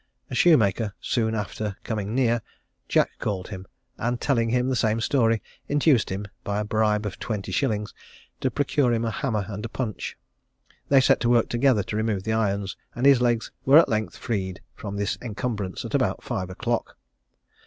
A shoemaker soon after coming near, Jack called him, and telling him the same story, induced him, by a bribe of twenty shillings, to procure him a hammer and a punch. They set to work together to remove the irons, and his legs were at length freed from this encumbrance at about five o'clock.